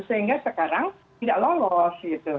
sehingga sekarang tidak lolos gitu